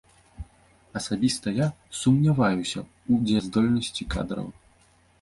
Асабіста я сумняваюся ў дзеяздольнасці кадраў.